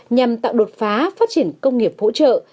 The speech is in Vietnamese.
nhằm tạo đột phá phát triển công nghiệp hỗ trợ